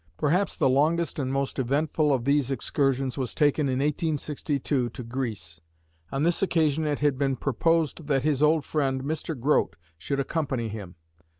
Perhaps the longest and most eventful of these excursions was taken in 1862 to Greece. On this occasion it had been proposed that his old friend, Mr. Grote, should accompany him.